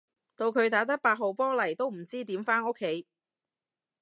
到佢打得八號波嚟都唔知點返屋企